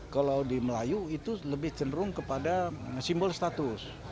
kalau di melayu itu lebih cenderung kepada simbol status